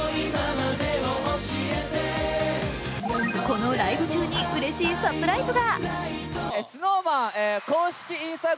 このライブ中にうれしいサプライズが。